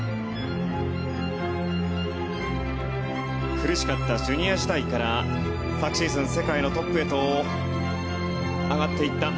苦しかったジュニア時代から昨シーズン、世界のトップへと上がっていった。